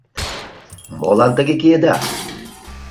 «Молан тыге киеда?